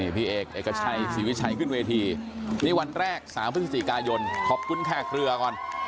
พี่เอกเอกชัยศรีวิชัยขึ้นเวทีนี่วันแรก๓พฤศจิกายนขอบคุณแขกเรือก่อน